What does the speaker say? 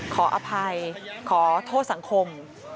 ขออภัยขอโทษสังคม